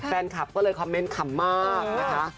แฟนคลับก็เลยคอมเมนต์ขำมากนะคะ